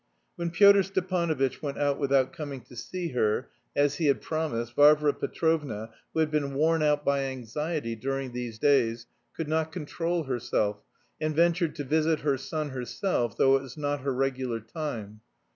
When Pyotr Stepanovitch went out without coming to see her, as he had promised, Varvara Petrovna, who had been worn out by anxiety during these days, could not control herself, and ventured to visit her son herself, though it was not her regular time.